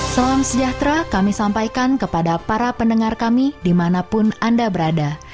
salam sejahtera kami sampaikan kepada para pendengar kami dimanapun anda berada